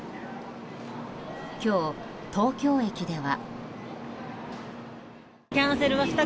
今日、東京駅では。